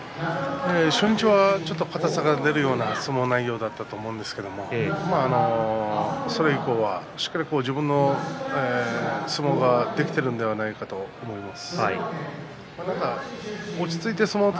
初日は初日は硬さが出るような相撲内容だったと思うんですけどそれ以降はしっかり自分の相撲ができているんじゃないかなと思います。